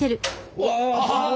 うわ！